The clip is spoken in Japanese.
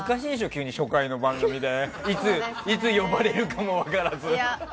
急に初回の番組でいつ呼ばれるかも分からず。